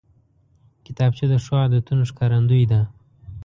کتابچه د ښو عادتونو ښکارندوی ده